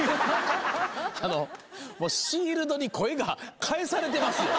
あのシールドに声が返されてますよ。